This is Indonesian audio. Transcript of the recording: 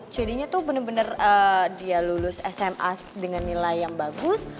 jadinya tuh bener bener dia lulus sma dengan nilai yang bagus